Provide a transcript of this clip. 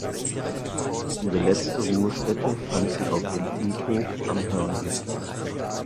Ihre letzte Ruhestätte fand sie auf dem Friedhof am Hörnli.